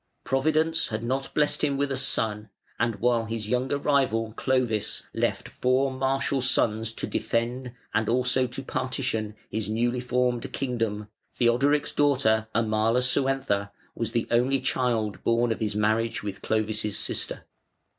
Providence had not blessed him with a son; and while his younger rival, Clovis, left four martial sons to defend (and also to partition) his newly formed kingdom, Theodoric's daughter Amalasuentha was the only child born of his marriage with Clovis' sister.